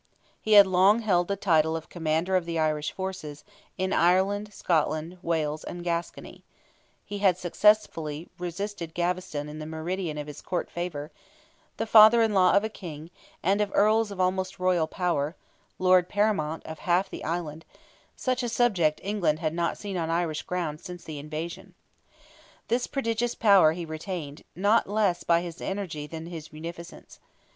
He had long held the title of Commander of the Irish forces, "in Ireland, Scotland, Wales, and Gascony;" he had successfully resisted Gaveston in the meridian of his court favour; the father in law of a King, and of Earls of almost royal power, lord paramount of half the island—such a subject England had not seen on Irish ground since the Invasion. This prodigious power he retained, not less by his energy than his munificence.